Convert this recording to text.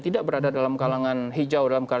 tidak berada dalam kalangan hijau dalam